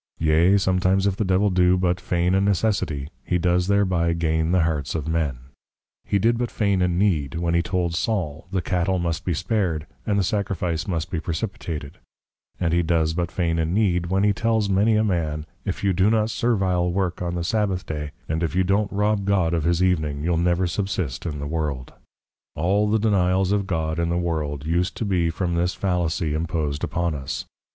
Yea, sometimes if the Devil do but Feign a Necessity, he does thereby Gain the Hearts of Men; he did but feign a Need, when he told Saul, the Cattel must be spared, and the sacrifice must be precipitated, & he does but feign a Need, when he tells many a man, _if you do no servile work on the +Sabbath day+, and if you don't Rob God of his evening, you'll never subsist in the world._ All the denials of God, in the world, use to be from this Fallacy impos'd upon us.